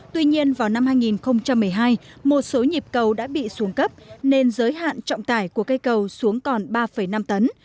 tuy nhiên vào năm hai nghìn một mươi hai một số nhịp cầu đã bị xuống cấp nên giới hạn trọng tải của cây cầu xuống còn ba năm tấn